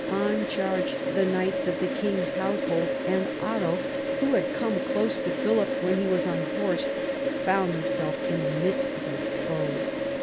On charged the knights of the king's household, and Otto, who had come close to Philip when he was unhorsed, found himself in the midst of his foes.